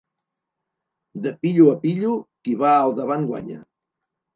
De pillo a pillo, qui va al davant guanya.